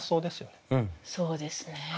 そうですね。